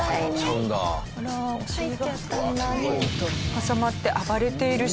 挟まって暴れている鹿。